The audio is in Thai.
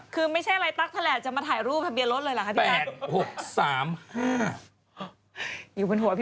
คือไม่ใช่อะไรตั๊กถละแหนท์จะมาถ่ายรูปทะเบียรถหรอครับพี่ภาพ